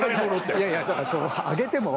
いやいやだから上げても。